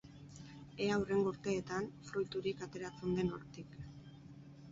Ea hurrengo urteetan fruiturik ateratzen den hortik.